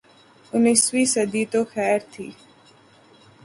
انیسویں صدی تو خیر تھی۔